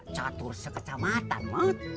catur sekecamatan mot